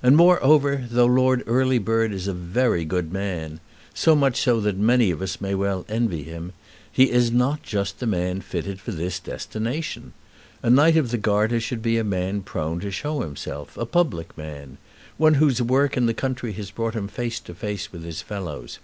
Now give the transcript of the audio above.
"And, moreover, though Lord Earlybird is a very good man, so much so that many of us may well envy him, he is not just the man fitted for this destination. A Knight of the Garter should be a man prone to show himself, a public man, one whose work in the country has brought him face to face with his fellows.